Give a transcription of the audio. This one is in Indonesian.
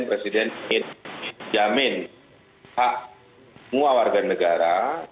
presiden ingin jamin hak semua warga negara